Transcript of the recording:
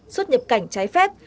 xuất nhập cảnh trái phép